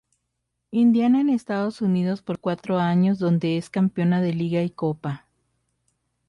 Indiana en Estados Unidos por cuatro años donde es Campeona de Liga y Copa.